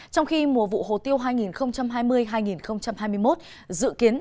trong khi mùa vụ hồ tiêu hai nghìn hai mươi hai nghìn hai mươi một dự kiến